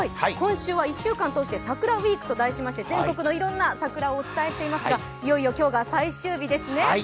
今週は１週間通して桜ウィークと題しまして全国のいろんな桜をお伝えしていますがいよいよ今日が最終日ですね。